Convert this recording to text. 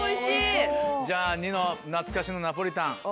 じゃあニノ懐かしのナポリタン。